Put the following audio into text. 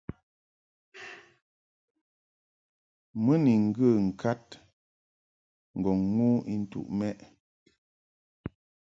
Mɨ ni ŋgə ŋkad ŋgɔŋ ŋu intuʼ mɛ›.